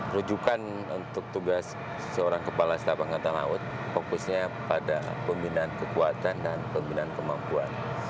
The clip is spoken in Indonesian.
rujukan untuk tugas seorang kepala staf angkatan laut fokusnya pada pembinaan kekuatan dan pembinaan kemampuan